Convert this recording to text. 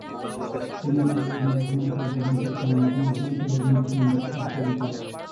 সিনেমাজুড়ে নায়ক নায়িকার রোমান্টিক সংলাপ, মাঝেমধ্যে রবীন্দ্রসংগীত আর কবিতা।